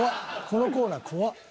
このコーナー怖っ。